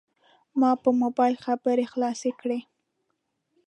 ما په موبایل خبرې خلاصې کړې.